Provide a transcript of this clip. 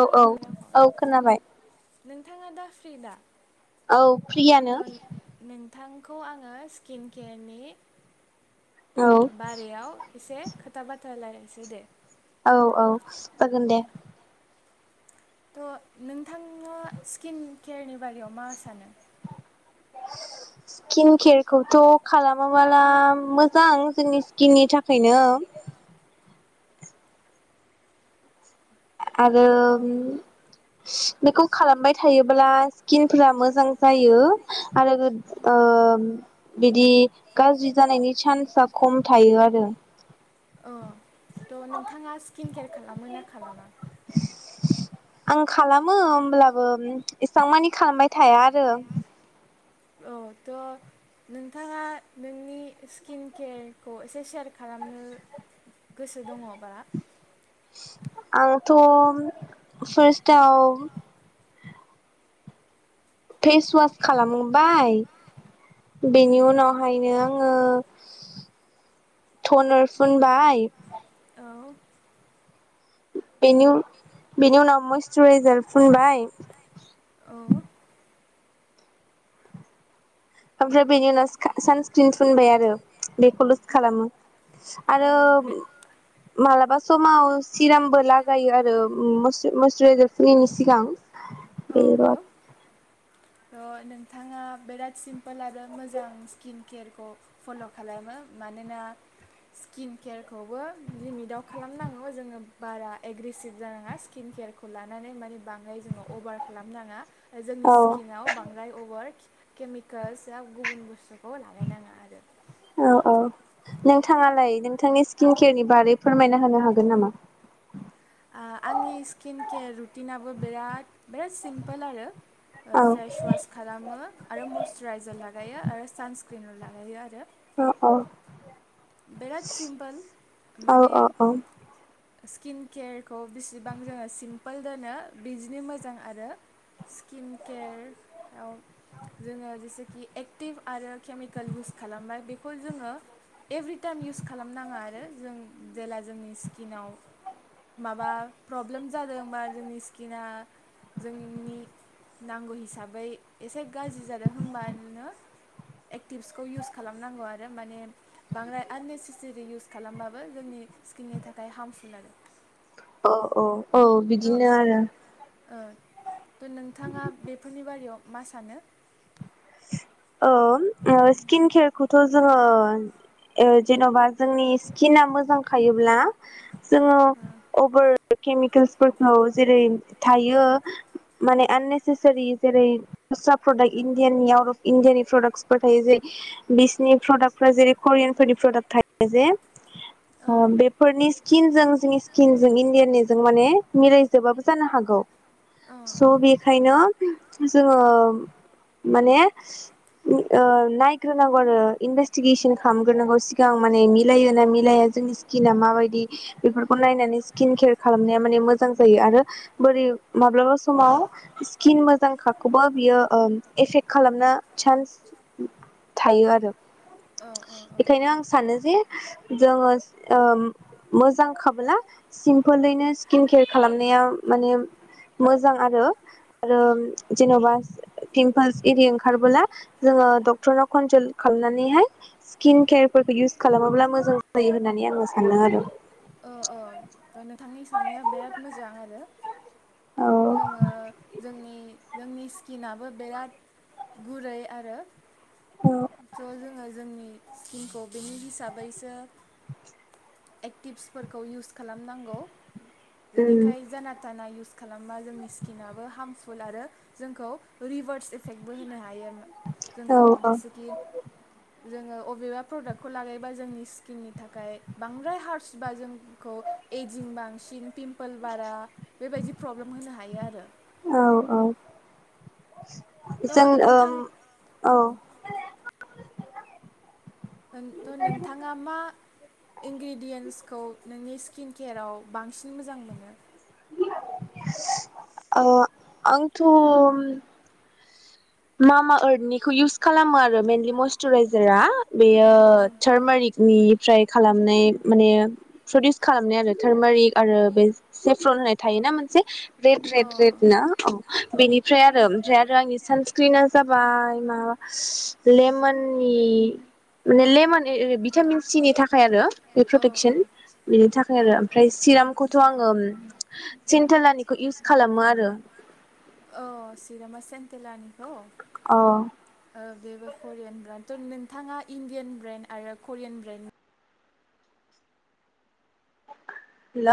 औ औ औ खोनाखौथ' खोनाबाय नोंथाङा दा फ्रि दा? औ फ्रियानो नोंखौ आङो स्किन केयारनि औ बारेयाव एसे खोथा बाथ्रा लाय दे औ औ जागोन दे। थ' नोंथाङा स्किन केयारनि बारायाव मा सानो? स्किन केयारखौथ' खालामाबोला मोजां जोंनि स्किननि थाखायनो आरो अ बेखौ खालामबाय थायो ब्ला स्किन फोरा मोजां जायो। आरो ओम बिदि गाज्रि जानायनि सान्सआ खम थायो आरो। औ थ' नोंथाङा स्किन केेयार खालामो ना खालामा? आं खालामो होमब्लाबो इसेबां मानि खालामबाय थाया आरो। औ थ' नोंथाङा नोंनि स्किन केयारखौ एसे सेयार खालामनो गोसो दङबा आंथ' फार्स्टआव फेस वास खालामबाय बेनि उम उनावहायनो आङो थनर फुनबाय औ बेनि बेनि उनाव मइस्चुराइजार फुनबाय औ ओमफ्राय बेनि उनाव सानस्क्रिन फुनबाय आरो बेखौ लुस खालामो औ आरो बे मालाबा समाव सिरामबो लागायो आरो [unintelligible] सिगां औ [unintelligible] औ थ' नोंथाङा बिराद सिम्पोल आरो मोजां स्किन केयारखौ फल' खालामो मानोना स्किन केयारखौबो लिमिटाव खालामनांगौ जोङो बारा एग्रेसिभ जानाङा स्किन केेयारखौ लानानै माने बाङाय जोङो अभार खालामनाङा। जोंनि औ स्किनाव बां अभार केमिकेल्सआ गुबुन बुस्थु औ औ नोंथाङालाय नोंथांनि स्किन केयारनि बारै फोरमायना होनो हागोन नामा? आह आंनि स्किन केयार रुटिनाबो बिराद बिराद सिमपोल आरो। औ फेस वास खालामो आरो मयस्चुराइजार ला लागायो आरो सानस्क्रिनल' लागायो आरो। अह औ बिराद सिम्पोल औ माने औ स्किन केयारखौ बिसिबां जोङो सिमपोल दोनो बिदिनो मोजां आरो स्किन केयाराव जोङो जेसेखि एक्टिभ आरो केमिकेल इउस खालामबाय बेखौ जोङो एभ्रिटाइम इउस खालामनाङा आरो जों जेला जोंनि स्किनाव माबा प्रब्लेम जादोंबा जोंनि स्किना जोंनि नांगौ हिसाबै एसे गाज्रि जादों होनबानो एक्टिभ्सखौ इउस खालामनांगौ आरो माने बांद्राय आननेसेसेरि इउस खालामबाबो जोंनि स्किननि थाखाय हार्मफुल आरो अह अह औ थ' बिदिनो आरो ओ त' नोंथाङा बेफोरनि बारियाव मा सानो? अ ओ स्किन खेेयार खौ थ‌' जोङो जेनबा जोंनि स्किना मोजांखायोब्ला जोङो अबोर केमिकेल्सफोरखौ जेरै थायो माने आननेसेसारि जेरै दस्रा प्रडाक्ट इन इण्डिाननि आउट अफ इण्डिया नि प्रडाक्टसफोर थायो जे बिसिनि प्रडाक्ट फोर्रा जेरै करियान फोरनि प्रडाक्ट थायो जे औ ओ बेफोरनि स्किनजों जोंनि स्किन जों इण्डियनिजों माने मिलायजोबाबो जानो हागौ। औ स बेखायनो जोङो माने ओ नायग्रोनांगौ आरो इनभेस्टिगेसन खालामग्रोनांगौ सिगां माने मिलायो ना मिलाया जोंनि स्किना माबायदि बेफोरखौ नायनानै स्किन केयार खालामनाया माने मोजां जायो आरो बोरै माब्लाबा समाव स्किन मोजांखाखौबो बियो ओ एफेक्ट खालामनो चान्स थायो आरो। औ औ बेखायनो आं सानो जे जोङो ओ मोजां खाबोला सिम्पोलैनो स्किन केयार खालामनाया माने मोजां आरो आरो जेनबा पिमपोल्स एरि ओंखारबोला जोङो डक्टरनाव कनसाल्ट खालामनानैहाय स्किन केयारफोरखौ इउस खालामोब्ला मोजां जायो होननानै आङो सानदोंआरो। औ औ नोंथांनि साननाया बिराद मोजां आरो। औ जोङो जोंनि जोंनि स्किनाबो बिराद गुरै आरो उम स‌' जोङो जोंनि स्किनखौ बेनि हिसाबैसो टिप्सफोरखौ इउस खालामनांगौ। जेनेखाय जाना थाना इउस खालामबा जोंनि स्किनाबो हार्मफुल आरो जोंखौ रिभार्स इफेक्टबो होनो हायो। औ जोंखौ औ जेसेखि जोङो अबेबा प्रडाक्टखौ लागायोबा जोंनि स्किननि थाखाय बांद्राय हार्ड बा जोंखौ एजिं बांसिन पिम पोल बारा बेबायदि प्रब्लेम होनो हायो आरो। औ औ [inaudible] जों थ' ओम नोंथां औ ज थ' नोंथाङा मा इनग्रेडियेन्टसखौ नोंनि स्किन केेयाराव बांसिन मोजां मोनो? [unintelligible] ओ आंथ मा मा आरदनिखौ इउस खालामो आरो मेइेनलि मयस्चराइजारा बेयो औ सारमारिग निफ्राय खालामनाय माने प्रडिउस खालामनाय आरो थार्मारिक आरो बे सेप्रल होननाय थायोना मोनसे रेड अ रेड रेड ना औ बेनिफ्राय आरो ओमफ्राय आरो आंनि सान सक्रिना जाबाय माबा लेमननि माने लेमन भिटामिन सिनि थाखाय आरो बे प्रटेकसन बिनि थाखाय अ अ आरो ओमफ्राय सिरामखौथ आं ओम सिन्थेलानिखौ इउस खालामो आरो औ चिरामा सेन्टेलानिखौ अ ओ बेबो करियान ब्रान नोंथाङा इण्डियान ब्रेन्ड आरो करियान ब्रेन्डनि हेलौ